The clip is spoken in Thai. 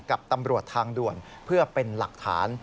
กับตำรวจทางด่วนเพื่อเป็นหลักฐาน